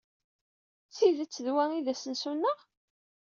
D tidet d wa ay d asensu-nneɣ?